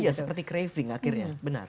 iya seperti craving akhirnya